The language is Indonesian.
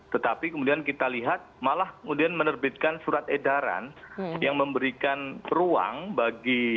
tetapi kemudian kita lihat malah kemudian menerbitkan surat edaran yang memberikan ruang bagi